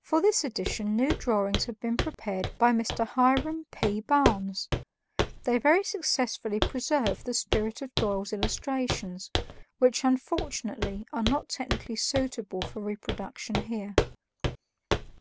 For this edition new drawings have been prepared by Mr. Hiram P. Barnes. They very successfully preserve the spirit of Doyle's illustrations, which unfortunately are not technically suitable for reproduction here.